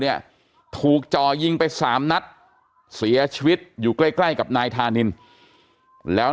เนี่ยถูกจ่อยิงไปสามนัดเสียชีวิตอยู่ใกล้ใกล้กับนายธานินแล้ว